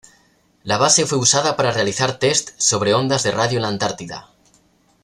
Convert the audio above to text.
La base fue usada para realizar tests sobre ondas de radio en la Antártida.